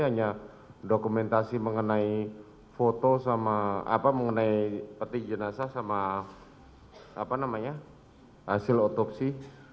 hanya dokumentasi mengenai peti jenazah sama hasil otopsi